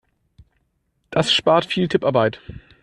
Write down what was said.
Das spart viel Tipparbeit.